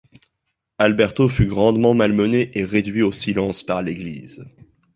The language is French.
Alberto fut grandement malmené et réduit au silence par l'Église.